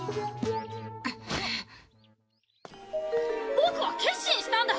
ボクは決心したんだ！